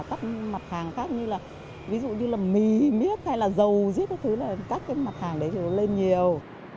các cái mặt hàng đấy thì nó lên nhiều